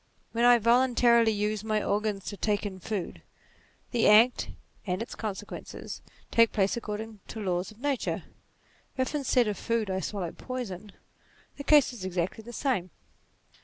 When I voluntarily use my organs to take in food, the act, and its consequences, take place according to laws of nature : if instead of food I swallow poison, the case is exactly the same.